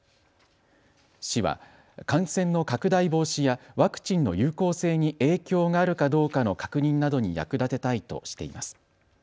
市は感染の拡大防止やワクチンの有効性に影響があるかどうかの確認などに役立てたいとしています。